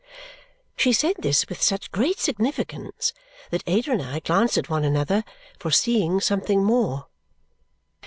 She said this with such great significance that Ada and I glanced at one another, foreseeing something more.